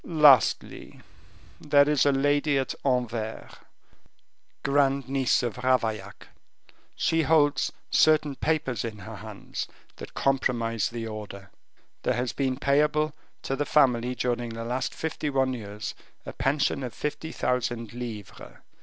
"Lastly, there is a lady at Anvers, grand niece of Ravaillac; she holds certain papers in her hands that compromise the order. There has been payable to the family during the last fifty one years a pension of fifty thousand livres.